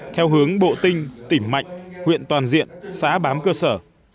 theo hướng bộ tinh tỉnh mạnh huyện toàn diện xã bám cơ sở